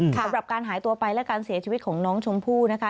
สำหรับการหายตัวไปและการเสียชีวิตของน้องชมพู่นะคะ